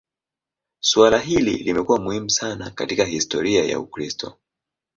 Suala hili limekuwa muhimu sana katika historia ya Ukristo.